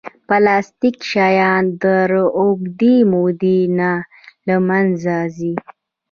پلاستيکي شیان تر اوږدې مودې نه له منځه ځي.